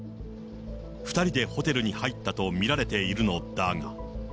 ２人でホテルに入ったと見られているのだが。